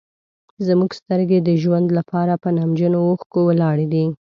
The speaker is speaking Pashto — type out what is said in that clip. زموږ سترګې د ژوند لپاره په نمجنو اوښکو ولاړې دي.